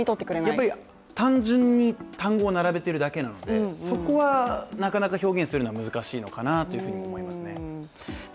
やっぱり単純に単語を並べているだけなのでそこはなかなか表現するのは難しいのかなと思いますね。